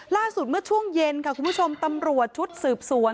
ล่าสุดเมื่อช่วงเย็นค่ะคุณผู้ชมตำรวจชุดสืบสวน